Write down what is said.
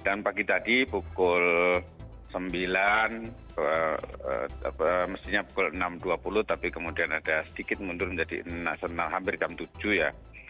dan pagi tadi pukul sembilan mestinya pukul enam dua puluh tapi kemudian ada sedikit mundur menjadi nasional hampir jam tujuh ya